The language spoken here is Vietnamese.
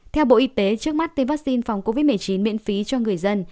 theo bộ y tế trước mắt tiêm vaccine phòng covid một mươi chín miễn phí cho người dân